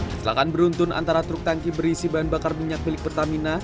kecelakaan beruntun antara truk tangki berisi bahan bakar minyak milik pertamina